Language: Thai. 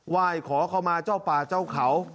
ไหว้ขอเข้ามาเจ้าป่าเจ้าเขา